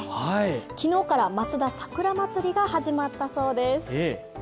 昨日から松田桜まつりが始まったそうです。